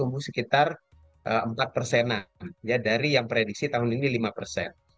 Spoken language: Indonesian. tumbuh sekitar empat persenan ya dari yang prediksi tahun ini lima persen